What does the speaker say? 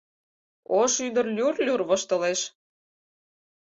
Ош ӱдыр люр-люр воштылеш.